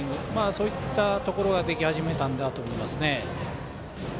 そういったところができ始めたんだと思います。